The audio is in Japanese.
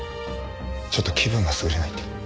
ちょっと気分が優れないんで。